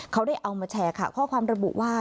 เขาได้เอามาแชร์ค่ะข้อความระบุว่า